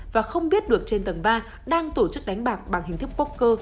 và không biết được trên tầng ba đang tổ chức đánh bạc bằng hình thức bóc cơ